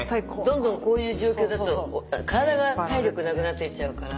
どんどんこういう状況だと体が体力なくなっていっちゃうから。